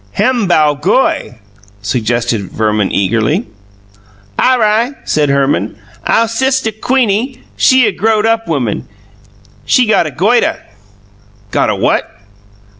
"Hem bow goy," suggested Verman eagerly. "Aw ri'," said Herman. "Ow sistuh Queenie, she a growed up woman; she got a goituh." "Got a what?"